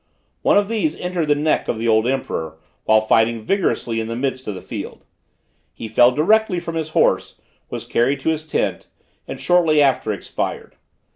One of these entered the neck of the old emperor, while fighting vigorously in the midst of the field. He fell directly from his horse, was carried to his tent, and shortly after expired.